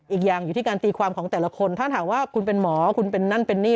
อีกอย่างอยู่ที่การตีความของแต่ละคนถ้าถามว่าคุณเป็นหมอคุณเป็นนั่นเป็นนี่